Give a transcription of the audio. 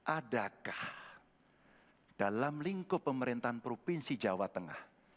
adakah dalam lingkup pemerintahan provinsi jawa tengah